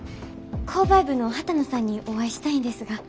購買部の畑野さんにお会いしたいんですが。